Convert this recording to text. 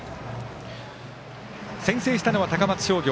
先制したのは高松商業。